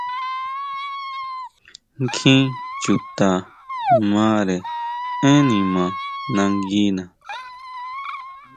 Kjín chuta mare énn nima nanguina.